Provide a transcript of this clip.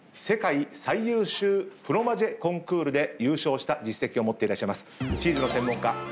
世界最優秀フロマジェコンクールで優勝した実績を持っていらっしゃいますチーズの専門家。